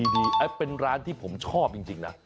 ดีเป็นร้านที่ผมชอบจริงนะ